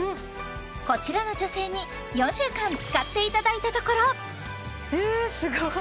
こちらの女性に４週間使っていただいたところえすごい！